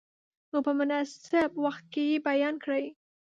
نو په مناسب وخت کې یې بیان کړئ.